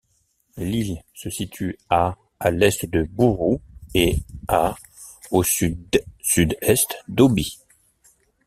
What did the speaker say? L'île se situe à à l'est de Buru et à au sud-sud-est d'Obi.